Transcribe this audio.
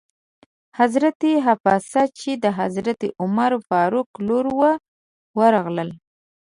حضرت حفصه چې د حضرت عمر فاروق لور وه ورغله.